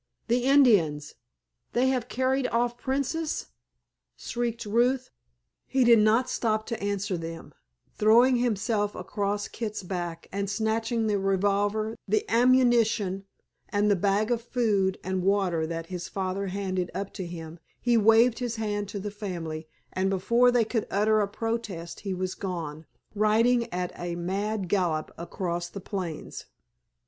"The Indians—they have carried off Princess?" shrieked Ruth. He did not stop to answer them; throwing himself across Kit's back and snatching the revolver, the ammunition and the bag of food and water that his father handed up to him, he waved his hand to the family, and before they could utter a protest he was gone, riding at a mad gallop across the plains.